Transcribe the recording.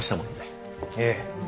ええ。